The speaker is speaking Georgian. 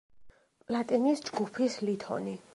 პლატინის ჯგუფის ლითონი.